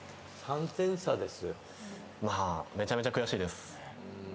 めちゃめちゃ悔しいです。